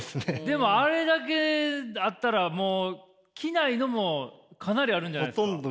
でもあれだけあったらもう着ないのもかなりあるんじゃないですか？